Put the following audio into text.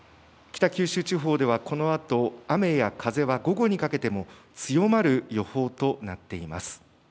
北九州地方ではこのあと雨や風は午後にかけても強まる予報となっています。